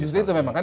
justru itu memang